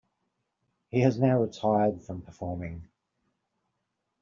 He has now retired from performing.